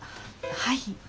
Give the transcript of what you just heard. はい。